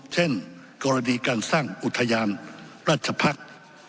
เช่นกรณีการสร้างอุทยานราชภักษ์